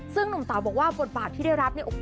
ซึ่งหนุ่มเต๋าบอกว่าบทบาทที่ได้รับเนี่ย